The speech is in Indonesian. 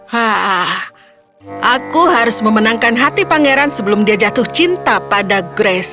hah aku harus memenangkan hati pangeran sebelum dia jatuh cinta pada grace